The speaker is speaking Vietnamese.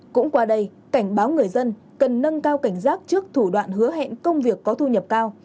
cũng qua đây cảnh báo người dân cần nâng cao cảnh giác trước thủ đoạn hứa hẹn công việc có thu nhập cao